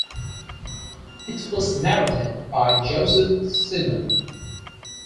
It was narratted by Josette Simon.